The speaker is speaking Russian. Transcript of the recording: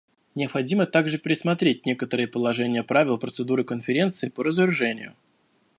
Необходимо также пересмотреть некоторые положения правил процедуры Конференции по разоружению.